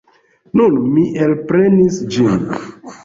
Nun mi elprenis ĝin.